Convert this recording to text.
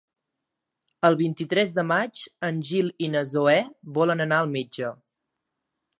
El vint-i-tres de maig en Gil i na Zoè volen anar al metge.